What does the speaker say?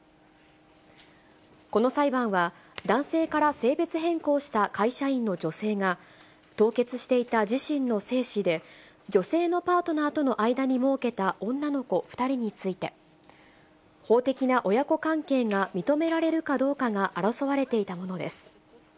この裁判は、男性から性別変更した会社員の女性が、凍結していた自身の精子で、女性のパートナーとの間にもうけた女の子２人について、法的な親子関係が認められるかどうかが争われていたものです。